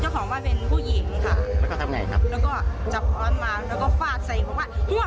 แล้วก็ทำไงครับแล้วก็จับร้อนมาแล้วก็ฝากใส่เขาว่า